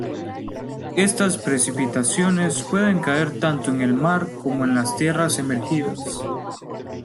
Estas precipitaciones pueden caer tanto en el mar como en las tierras emergidas.